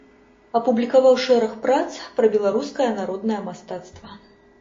Апублікаваў шэраг прац пра беларускае народнае мастацтва.